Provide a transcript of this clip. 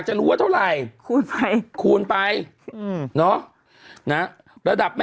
ห่ะห่ะ